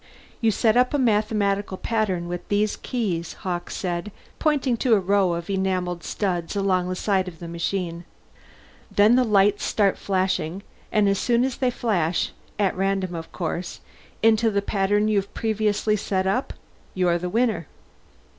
"You set up a mathematical pattern with these keys," Hawkes said, pointing to a row of enamelled studs along the side of the machine. "Then the lights start flashing, and as soon as they flash at random, of course into the pattern you've previously set up, you're the winner.